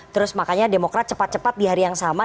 terus makanya demokrat cepat cepat di hari yang sama